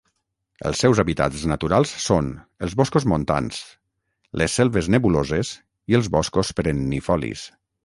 Els seus hàbitats naturals són els boscos montans, les selves nebuloses i els boscos perennifolis.